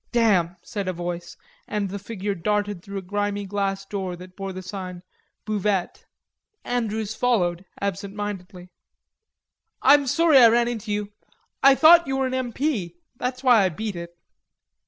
"Damn," said a voice, and the figure darted through a grimy glass door that bore the sign: "Buvette." Andrews followed absent mindedly. "I'm sorry I ran into you.... I thought you were an M.P., that's why I beat it."